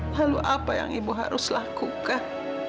lalu apa yang ibu harus lakukan